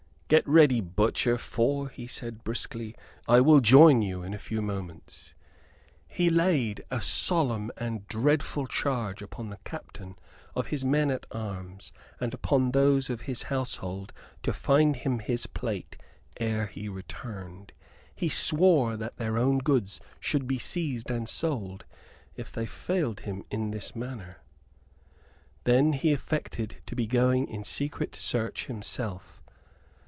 "Get ready, butcher, for," he said, briskly, "I will join you in a few minutes." He laid a solemn and dreadful charge upon the captain of his men at arms and upon those of his household to find him his plate ere he returned. He swore that their own goods should be seized and sold if they failed him in this matter! Then he affected to be going in secret search himself.